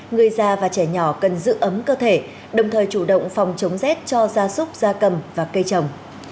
người già và trẻ nhỏ cần giữ ấm cơ thể đồng thời chủ động phòng chống rét cho gia súc gia cầm và cây trồng